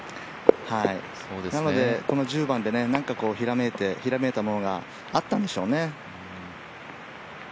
なので、１０番で何かひらめいたものがあったんでしょうね。